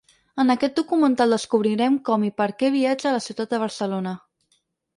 En aquest documental descobrirem com i perquè viatja a la ciutat de Barcelona.